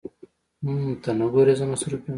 حم ته نه ګورې زه مصروف يم.